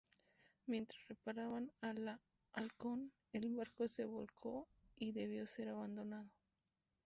Mientras reparaban a la "Halcón", el barco se volcó y debió ser abandonado.